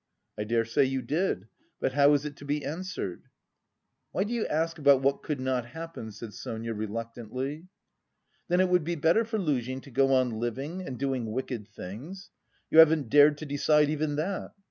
"I dare say you did. But how is it to be answered?" "Why do you ask about what could not happen?" said Sonia reluctantly. "Then it would be better for Luzhin to go on living and doing wicked things? You haven't dared to decide even that!"